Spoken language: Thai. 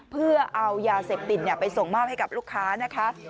เพื่อเอายาเสพติดไปส่งมอบให้กับลูกค้านะคะ